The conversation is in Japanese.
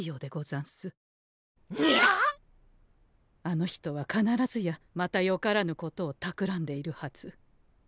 あの人は必ずやまたよからぬことをたくらんでいるはず。